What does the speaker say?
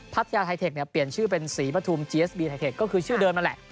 ทัศน์ยาไทเทคเนี้ยเปลี่ยนชื่อเป็นศรีปทุมคือชื่อเดิมนั่นแหละ